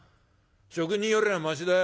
職人よりはましだよ。